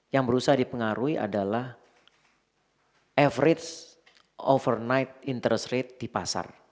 yang berusaha dipengaruhi adalah average overnight interest rate di pasar